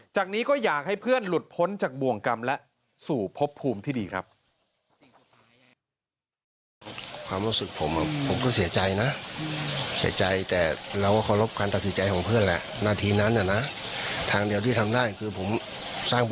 จากนี้ก็อยากให้เพื่อนหลุดพ้นจากบ่วงกรรมและสู่พบภูมิที่ดีครับ